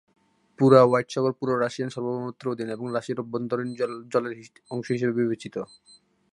পুরো হোয়াইট সাগর পুরো রাশিয়ান সার্বভৌমত্বের অধীনে এবং রাশিয়ার অভ্যন্তরীণ জলের অংশ হিসাবে বিবেচিত।